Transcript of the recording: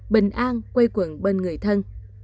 bình an quay quận bên người thân